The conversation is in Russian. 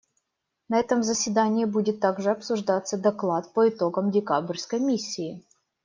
На этом заседании будет также обсуждаться доклад по итогам декабрьской миссии.